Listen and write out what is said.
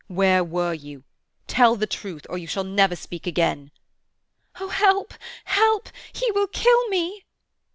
"Where were you? Tell the truth, or you shall never speak again!" "Oh—help! help! He will kill me!"